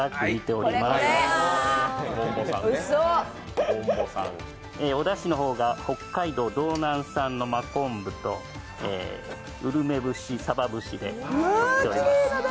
おだしの方が北海道道南産の真昆布とうるめ節、さば節でとってます。